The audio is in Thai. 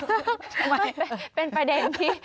ทำไมเป็นประเด็นที่